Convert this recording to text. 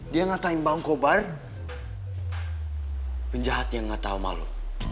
dia ngatain bang kobar penjahat yang gak tau malu